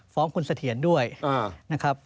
ฟ้องคุณเสถียรด้วยนะครับ